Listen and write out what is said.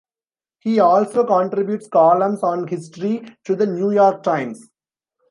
He also contributes columns on history to "The New York Times".